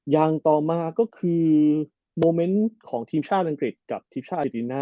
อย่างต่อมาก็คือโมเมนต์ของทีมชาติอังกฤษกับทีมชาติอายติน่า